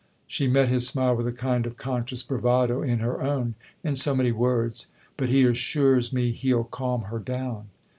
She met his smile with a kind of conscious bravado in her own. " In so many words. But he assures me he'll calm her down."